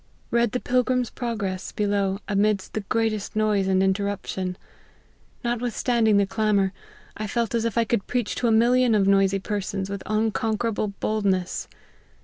Read the Pilgrim's Progress, below, amidst the greatest noise and interruption. Notwithstanding the clamour, I felt as if I could preach to a million of noisy persons with unconquerable boldness.